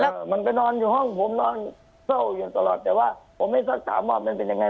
แล้วมันไปนอนอยู่ห้องผมนอนเศร้าอยู่ตลอดแต่ว่าผมไม่สักถามว่ามันเป็นยังไง